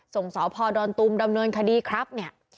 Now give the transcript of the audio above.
ส่งสอบพอดรตุ๑๙๕๓ดำเนินคดีครับเนี่ย